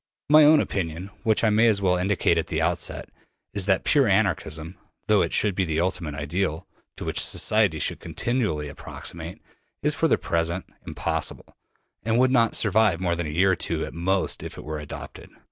My own opinion which I may as well indicate at the outset is that pure Anarchism, though it should be the ultimate ideal, to which society should continually approximate, is for the present impossible, and would not survive more than a year or two at most if it were adopted.